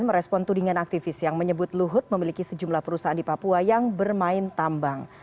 merespon tudingan aktivis yang menyebut luhut memiliki sejumlah perusahaan di papua yang bermain tambang